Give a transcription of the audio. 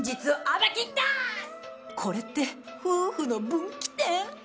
これって、夫婦の分岐点？